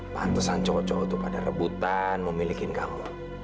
pantesan cowok cowok tuh pada rebutan memiliki kamu